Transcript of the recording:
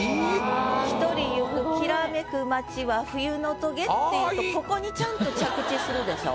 「一人ゆく煌めく街は冬の棘」っていうとここにちゃんと着地するでしょ？